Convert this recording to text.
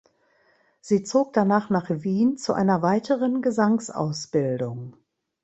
Sie zog danach nach Wien zu einer weiteren Gesangsausbildung.